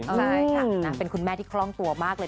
ใช่ค่ะเป็นคุณแม่ที่คล่องตัวมากเลย